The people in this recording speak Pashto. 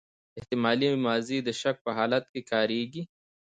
احتمالي ماضي د شک په حالت کښي کاریږي.